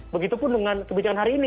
begitupun dengan kebijakan hari ini